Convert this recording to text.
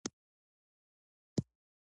د تعلیم لاره د کلتور ذخیره کوي او ساتي.